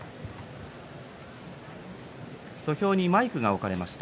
土俵にマイクが置かれました。